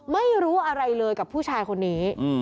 ไม่รู้อะไรเลยกับผู้ชายคนนี้